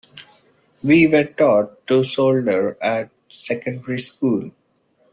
We were taught to solder at secondary school.